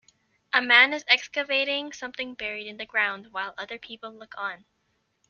A man is excavating something buried in the ground while other people look on.